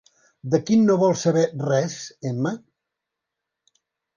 De qui no vol saber res Emma?